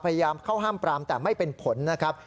พยายามเข้าห้ามปรามแต่ไม่เป็นผลนะครับ